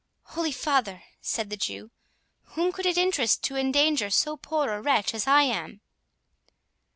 "Holy father!" said the Jew, "whom could it interest to endanger so poor a wretch as I am?"